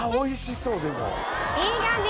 いい感じ！